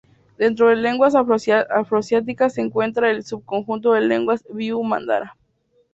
Dentro de lenguas afroasiáticas se encuentra en el subconjunto de lenguas biu-mandara.